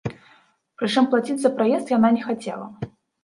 Прычым плаціць за праезд яна не хацела.